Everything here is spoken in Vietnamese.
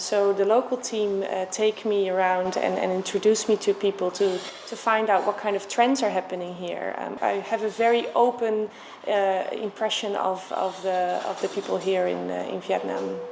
sau những ngày làm việc bận rộn margot thường dành thời gian gặp gỡ với những người bạn tìm hiểu về đất nước con người việt nam